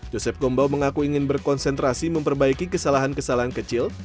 joseph gombau mengaku ingin berkonsentrasi memperbaiki kesalahan kesalahan kecil